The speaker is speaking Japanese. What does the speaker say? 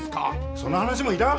その話もいらん！